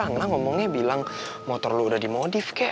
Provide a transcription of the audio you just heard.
emang ngomongnya bilang motor lu udah dimodif kek